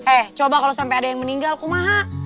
eh coba kalo sampe ada yang meninggal kumaha